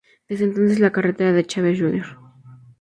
Desde entonces, la carrera de Chávez, Jr.